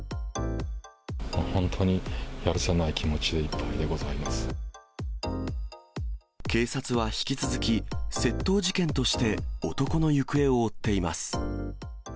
本当にやるせない気持ちでい警察は引き続き、窃盗事件として男の行方を追っています。